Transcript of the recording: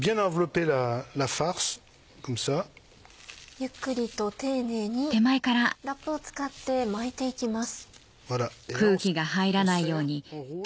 ゆっくりと丁寧にラップを使って巻いて行きます。